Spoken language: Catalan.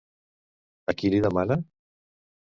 A qui li demana?